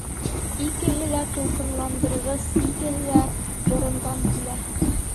Икеһе лә тулҡынландырғыс, икеһе лә борондан килә.